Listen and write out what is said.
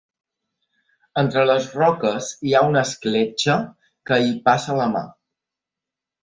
Entre les roques hi ha una escletxa que hi passa la mà.